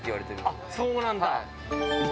あっそうなんだ。